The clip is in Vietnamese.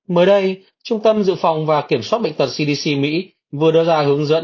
mới đây trung tâm dự phòng và kiểm soát bệnh tật cdc mỹ vừa đưa ra hướng dẫn